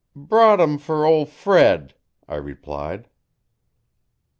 'Brought 'em fer ol' Fred,' I replied.